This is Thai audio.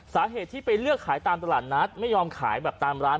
สาเหตุที่ไปเลือกขายตามตลาดนัดไม่ยอมขายแบบตามร้าน